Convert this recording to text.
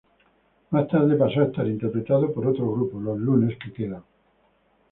Más tarde pasó a estar interpretada por otro grupo, Los lunes que quedan.